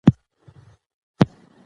حیا پرون شعر خپور کړ.